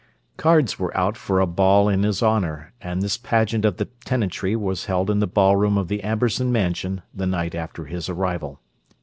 Cards were out for a ball in his honour, and this pageant of the tenantry was held in the ballroom of the Amberson Mansion the night after his arrival.